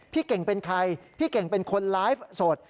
พี่เก่งเป็นใครพี่เก่งเป็นคนไลฟ์สด